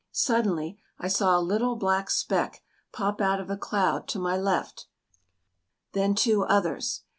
Suddenly I saw a little black speck pop out of a cloud to my left then two others.